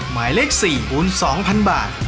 หมายเลข๔คูณ๒๐๐๐บาท